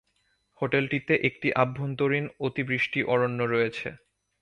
হোটেলটিতে একটি আভ্যন্তরীণ অতিবৃষ্টি অরণ্য রয়েছে।